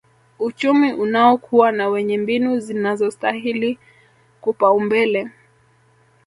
uchumi unaokua na wenye mbinu zinazostahili kupaumbele